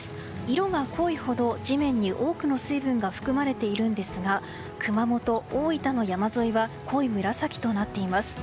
色が濃いほど地面に多くの水分が含まれているんですが熊本、大分の山沿いは濃い紫となっています。